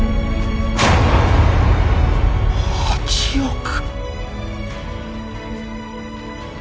８億！？